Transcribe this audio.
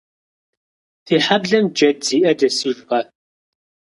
Фи хьэблэм джэд зиӏэ дэсыжкъэ?